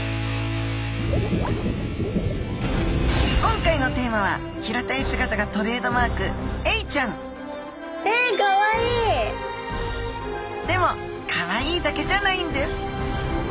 今回のテーマは平たい姿がトレードマークエイちゃんでもカワイイだけじゃないんです！